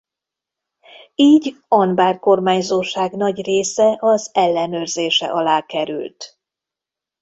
Így Anbár kormányzóság nagy része az ellenőrzése alá került.